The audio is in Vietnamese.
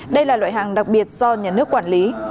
đây là loại hàng đặc biệt do nhà nước quản lý